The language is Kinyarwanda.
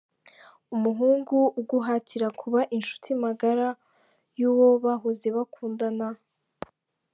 Umuhungu uguhatira kuba inshuti magara y’uwo bahoze bakundana.